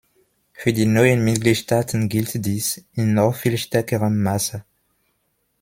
Für die neuen Mitgliedstaaten gilt dies in noch viel stärkerem Maße.